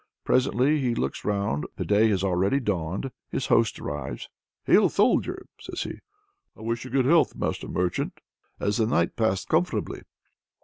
Presently he looks round, the day has already dawned. His host arrives: "Hail, Soldier!" says he. "I wish you good health, master merchant." "Has the night passed comfortably?"